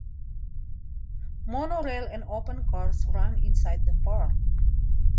Monorail and open cars runs inside the park.